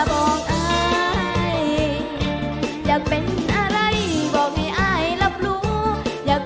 เป็นเจ้าเป็นนายนั่นสุขสบายทั้งชาติ